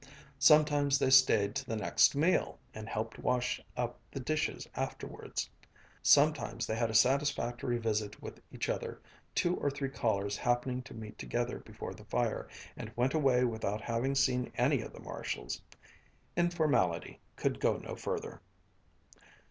Sometimes they stayed to the next meal and helped wash up the dishes afterwards. Sometimes they had a satisfactory visit with each other, two or three callers happening to meet together before the fire, and went away without having seen any of the Marshalls. Informality could go no further.